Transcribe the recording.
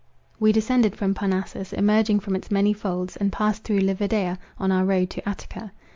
We descended from Parnassus, emerging from its many folds, and passed through Livadia on our road to Attica.